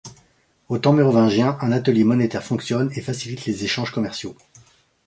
Aux temps mérovingiens, un atelier monétaire fonctionne et facilite les échanges commerciaux.